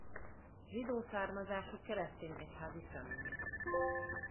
Zsidó származású keresztény egyházi személyek.